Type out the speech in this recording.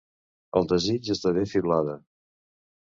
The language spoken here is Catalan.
El desig esdevé fiblada.